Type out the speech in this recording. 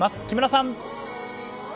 木村さん。